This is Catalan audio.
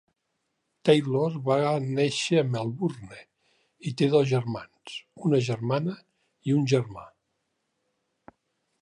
Taylor va néixer a Melbourne i té dos germans, una germana i un germà.